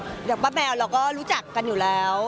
เดี๋ยวป้าแมวเราก็รู้จักกันอยู่แล้ว